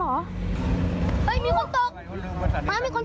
เฮ้ยมีคนตก